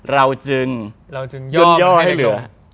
เราจึงย่อมให้เหลือ